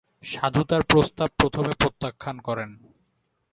সাধু তাঁর প্রস্তাব প্রথমে প্রত্যাখান করেন।